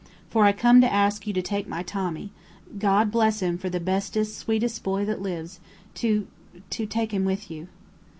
For I come to ask you to take my Tommy God bless him for the bestest, sweetest boy that lives to to take him with you."